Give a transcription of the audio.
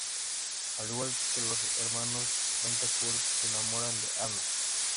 Al igual que los hermanos Betancourt se enamoran de Ana.